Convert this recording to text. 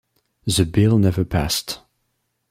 The bill never passed.